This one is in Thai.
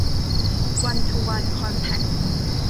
วันทูวัน คอนแทคส์